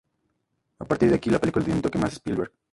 A partir de aquí la película tiene un toque más Spielberg.